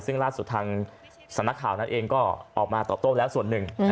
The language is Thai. ซึ่งล่าสุดทางสำนักข่าวนั้นเองก็ออกมาตอบโต้แล้วส่วนหนึ่ง